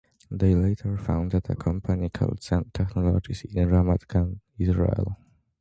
They later founded a company called Zend Technologies in Ramat Gan, Israel.